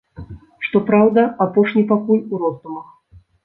Што праўда, апошні пакуль у роздумах.